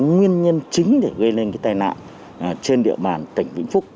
nguyên nhân chính để gây lên tai nạn trên địa bàn tỉnh vĩnh phúc